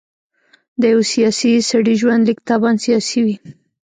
د یوه سیاسي سړي ژوندلیک طبعاً سیاسي وي.